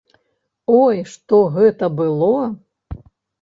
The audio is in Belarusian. Ой, што гэта было?